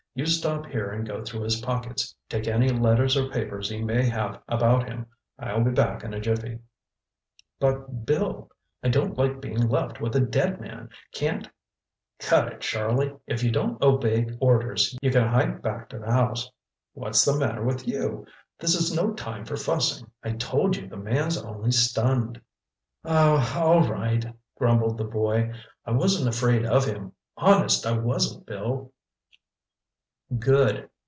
You stop here and go through his pockets. Take any letters or papers he may have about him. I'll be back in a jiffy." "But Bill—I don't like being left with a dead man! Can't—" "Cut it, Charlie! If you don't obey orders, you can hike back to the house. What's the matter with you? This is no time for fussing. I told you the man's only stunned." "Oh, all right," grumbled the boy. "I wasn't afraid of him—honest I wasn't, Bill." "Good.